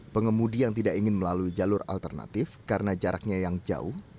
pengemudi yang tidak ingin melalui jalur alternatif karena jaraknya yang jauh